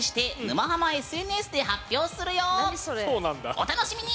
お楽しみに！